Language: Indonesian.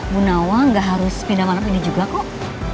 bu nawang gak harus pindah malam ini juga kok